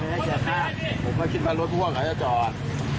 เฉยหน้าผมก็คิดว่ารถกว้างเฉยจอด